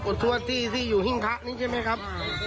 หลวงหลวงหลอร์ทั่วที่อยู่หิ้งทะครั้งนี้ใช่ไหมครับ